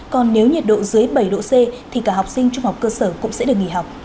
còn nếu nhiệt độ dưới bảy độ c thì cả học sinh trung học cơ sở cũng sẽ được nghỉ học